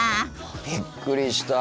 びっくりした。